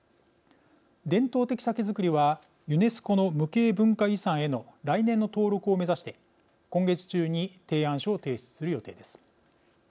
伝統的酒造りはユネスコの無形文化遺産への来年の登録を目指して今月中に提案書を提出する予定です。